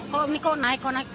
kalau ini kok naik kok naik